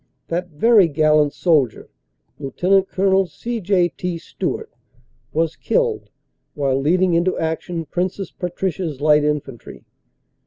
That very gallant soldier, Lt. Col. C. J. T. Stewart, was killed while leading into action Princess Patricia s Light Infantry.